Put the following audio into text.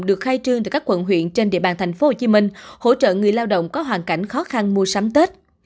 được khai trương từ các quận huyện trên địa bàn tp hcm hỗ trợ người lao động có hoàn cảnh khó khăn mua sắm tết